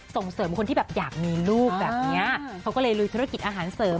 ส่งเสริมคนที่แบบอยากมีลูกแบบเนี้ยเขาก็เลยลุยธุรกิจอาหารเสริม